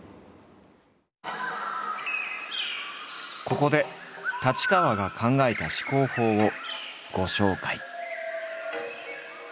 ここで太刀川が考えた思考法をご紹介。